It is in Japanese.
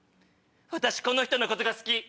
私この人のことが好き！